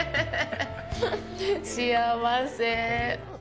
幸せ。